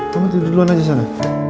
kamu tidur duluan aja sana